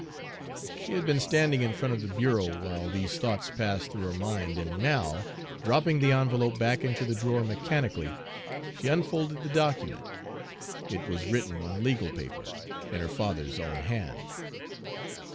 She had been standing in front of the bureau while these thoughts passed through her mind, and now, dropping the envelope back into the drawer mechanically, she unfolded the document. It was written on legal paper, in her father's own hand.